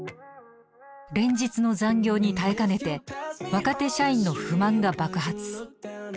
連日の残業に耐えかねて若手社員の不満が爆発。